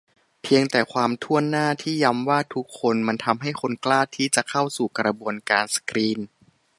เพียงแต่ความถ้วนหน้าที่ย้ำว่า "ทุกคน" มันทำให้คนกล้าที่จะเข้าสู่กระบวนการสกรีน